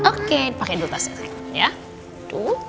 oke pakai dua tasnya sek